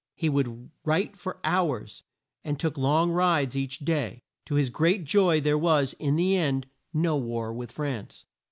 He would write for hours, and took long rides each day. To his great joy, there was, in the end, no war with France.